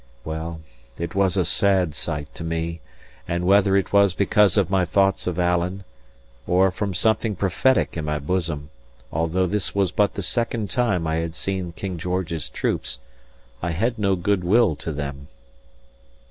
Well, it was a sad sight to me; and whether it was because of my thoughts of Alan, or from something prophetic in my bosom, although this was but the second time I had seen King George's troops, I had no good will to them.